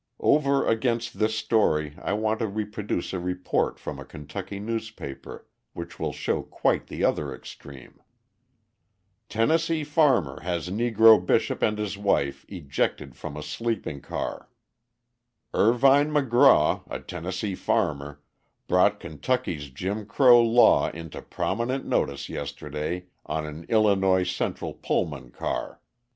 Over against this story I want to reproduce a report from a Kentucky newspaper which will show quite the other extreme: Tennessee Farmer Has Negro Bishop and His Wife Ejected from a Sleeping Car Irvine McGraw, a Tennessee farmer, brought Kentucky's Jim Crow law into prominent notice yesterday on an Illinois Central Pullman car.